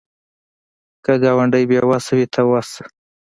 که ګاونډی بې وسه وي، ته وس شه